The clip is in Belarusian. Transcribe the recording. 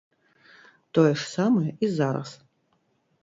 Тое ж самае і зараз.